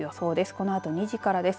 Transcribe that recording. このあと２時からです。